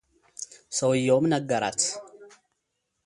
ሰውየውም ነገራት፡፡